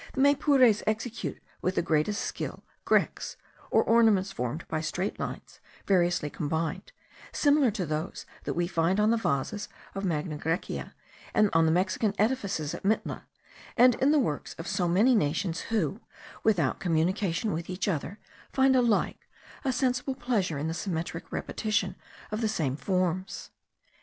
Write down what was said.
The Maypures execute with the greatest skill grecques, or ornaments formed by straight lines variously combined, similar to those that we find on the vases of Magna Grecia, on the Mexican edifices at Mitla, and in the works of so many nations who, without communication with each other, find alike a sensible pleasure in the symmetric repetition of the same forms.